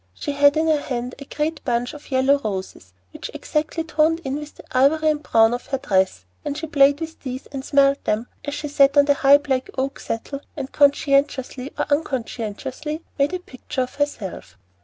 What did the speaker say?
She had in her hand a great bunch of yellow roses, which exactly toned in with the ivory and brown of her dress, and she played with these and smelled them, as she sat on a high black oak settle, and, consciously or unconsciously, made a picture of herself.